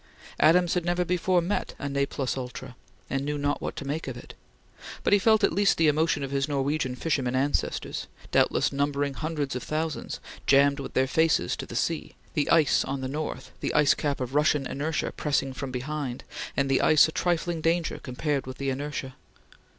Adams had never before met a ne plus ultra, and knew not what to make of it; but he felt at least the emotion of his Norwegian fishermen ancestors, doubtless numbering hundreds of thousands, jammed with their faces to the sea, the ice on the north, the ice cap of Russian inertia pressing from behind, and the ice a trifling danger compared with the inertia.